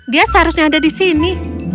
dia seharusnya ada di sini